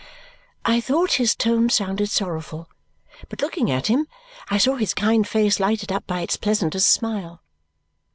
I thought his tone sounded sorrowful, but looking at him, I saw his kind face lighted up by its pleasantest smile.